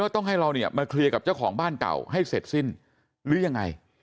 ต้องให้เราเนี่ยมาเคลียร์กับเจ้าของบ้านเก่าให้เสร็จสิ้นหรือยังไง